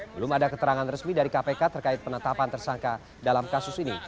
belum ada keterangan resmi dari kpk terkait penetapan tersangka dalam kasus ini